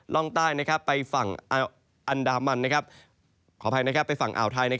ล่องใต้ไปฝั่งอ่าวไทย